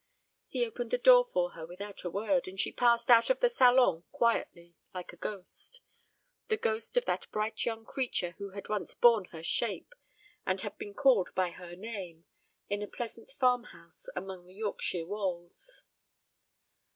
He opened the door for her without a word, and she passed out of the salon quietly, like a ghost the ghost of that bright young creature who had once borne her shape, and been called by her name, in a pleasant farmhouse among the Yorkshire wolds.